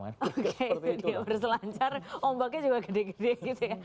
oke berselancar ombaknya juga gede gede gitu ya